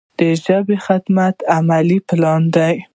د ژبې خدمت عملي پلان دی.